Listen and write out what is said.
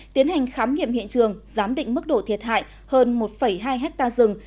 tiến hành khám nghiệm hiện trường giám định mức độ thiệt hại hơn một hai hectare rừng